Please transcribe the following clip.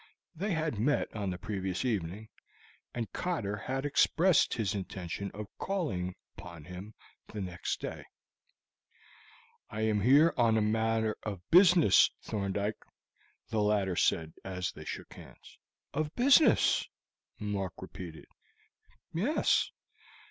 They had met on the previous evening, and Cotter had expressed his intention of calling upon him the next day. "I am here on a matter of business, Thorndyke," the latter said as they shook hands. "Of business!" Mark repeated. "Yes.